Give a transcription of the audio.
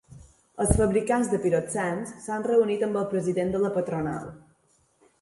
Els fabricants de piroxens s'han reunit amb el president de la patronal.